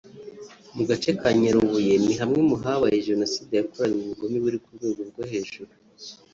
Mu gace ka Nyarubuye ni hamwe mu habaye Jenoside yakoranywe ubugome buri ku rwego rwo hejuru